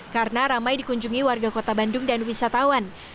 karena ramai dikunjungi warga kota bandung dan wisatawan